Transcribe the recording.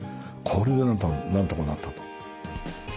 これでなんとかなったと。